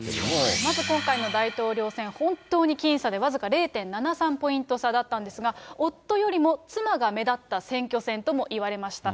まず今回の大統領選、本当に僅差で、僅か０．７３ポイント差だったんですが、夫よりも妻が目立った選挙戦とも言われました。